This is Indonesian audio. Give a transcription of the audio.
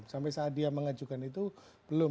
sampai saat dia mengajukan itu belum